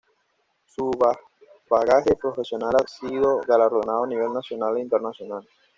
Su bagaje profesional ha sido galardonado a nivel nacional e internacional.